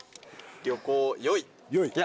旅行良い。